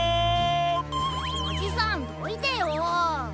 おじさんどいてよ。